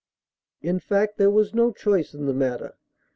In fact there was no choice in the matter.